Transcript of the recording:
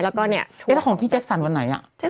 แล้วก็เนี่ยแล้วของพี่แจ็คสันวันไหน